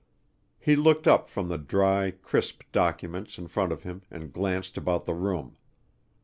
He looked up from the dry, crisp documents in front of him and glanced about the room.